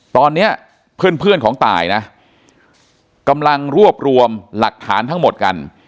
ตอนนี้เพื่อนเพื่อนของตายนะกำลังรวบรวมหลักฐานทั้งหมดกัน